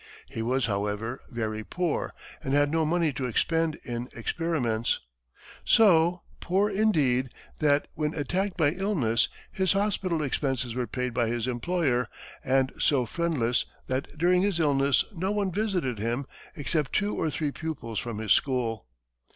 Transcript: He was, however, very poor and had no money to expend in experiments so poor, indeed, that when attacked by illness, his hospital expenses were paid by his employer, and so friendless that during his illness no one visited him except two or three pupils from his school.